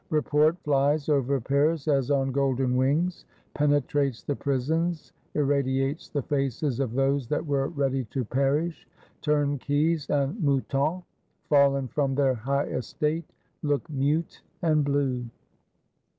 Report flies over Paris as on golden wings; penetrates the Prisons; irradiates the faces of those that were ready to perish : turnkeys and moutons, fallen from their high estate, look mute and blue.